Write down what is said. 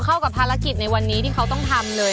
เข้ากับภารกิจในวันนี้ที่เขาต้องทำเลย